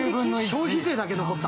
消費税だけ残った。